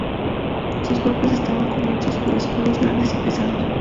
Sus cuerpos estaban cubiertos por escudos grandes y pesados.